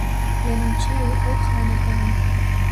لە نێو چاوی ئەو خانەدانە